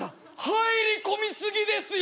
入り込み過ぎですよ！